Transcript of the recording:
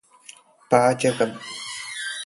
പാചകം